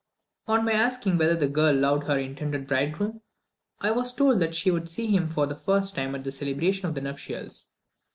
On my asking whether the girl loved her intended bridegroom, I was told that she would see him for the first time at the celebration of the nuptials.